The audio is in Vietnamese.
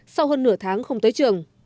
sau hơn nửa tháng không tới trường